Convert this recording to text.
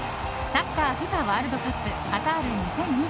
サッカーＦＩＦＡワールドカップカタール２０２２。